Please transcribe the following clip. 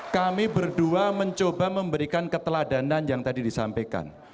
kami berdua mencoba memberikan keteladanan yang tadi disampaikan